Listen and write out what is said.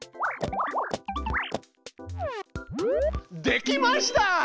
できました！